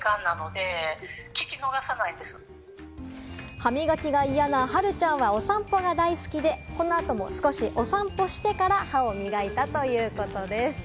歯磨きが嫌な、はるちゃんは、お散歩が大好きで、この後も少しお散歩してから歯を磨いたということです。